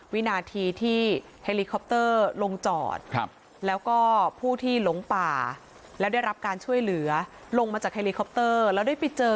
วินาทีที่ไฮลิคอปเตอร์ลงจอด